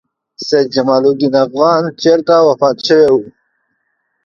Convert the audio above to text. سیدجمال الدین افغان چېرته وفات شوی و؟